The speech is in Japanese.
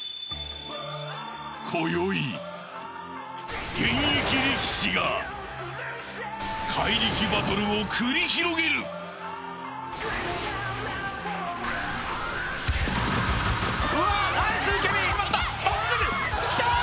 今宵現役力士が怪力バトルを繰り広げるきたー！